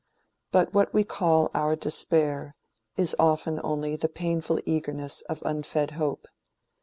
But what we call our despair is often only the painful eagerness of unfed hope.